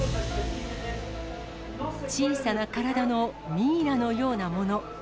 小さな体のミイラのようなもの。